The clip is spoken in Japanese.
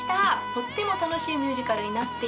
とっても楽しいミュージカルになっています。